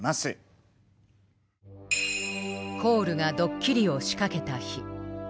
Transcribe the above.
コールがドッキリを仕掛けた日。